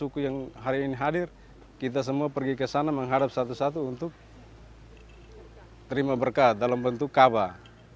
suku yang hari ini hadir kita semua pergi ke sana mengharap satu satu untuk terima berkat dalam bentuk kabah